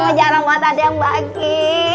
emang jarang banget ada yang bagi